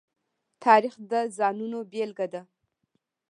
تاریخ د ځانونو بېلګه ده.